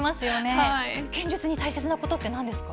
剣術に大切なことって何ですか。